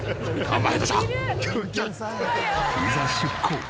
いざ出航！